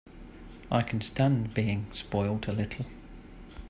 I can stand being spoiled a little.